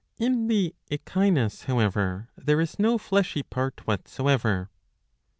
In the Echinus, however, there is no fleshy part whatsoever. 679b.